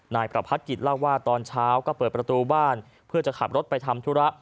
นายประพัทธกิจเล่าว่าตอนเช้าก็เปิดประตูบ้านเพื่อจะขับรถไปทำธุระ